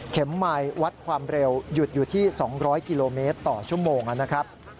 ไมค์วัดความเร็วหยุดอยู่ที่๒๐๐กิโลเมตรต่อชั่วโมงนะครับ